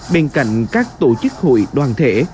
bên cạnh các tổ chức hội đoàn thể